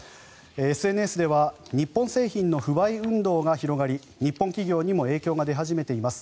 ＳＮＳでは日本製品の不買運動が広がり日本企業にも影響が出始めています。